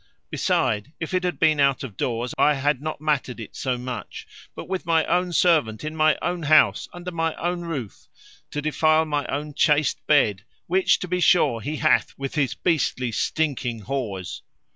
Besides, if it had been out of doors I had not mattered it so much; but with my own servant, in my own house, under my own roof, to defile my own chaste bed, which to be sure he hath, with his beastly stinking whores.